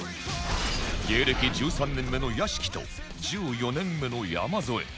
芸歴１３年目の屋敷と１４年目の山添